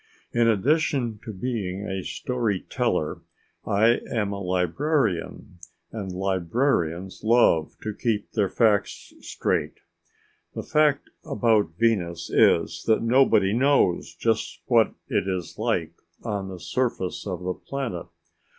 In addition to being a story teller, I am a librarian, and librarians love to keep their facts straight. The fact about Venus is that nobody knows just what it is like on the surface of the planet.